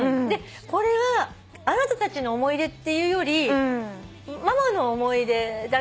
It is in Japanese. これはあなたたちの思い出っていうよりママの思い出だから。